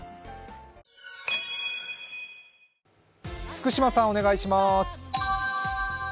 福島さん、お願いします。